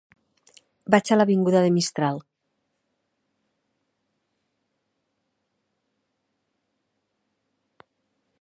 Vaig a l'avinguda de Mistral.